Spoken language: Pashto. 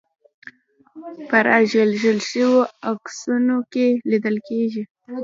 په رالېږل شویو عکسونو کې لیدل کېږي.